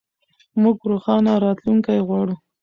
موږ روښانه راتلونکی غواړو.